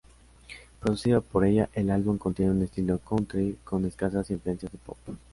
Producido por ella, el álbum contiene un estilo country, con escasas influencias de pop.